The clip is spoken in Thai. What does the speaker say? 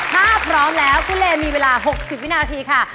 ถ้าพร้อมแล้วคุณเลมีเวลา๖๐วินาทีค่ะ